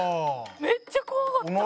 めっちゃ怖かった。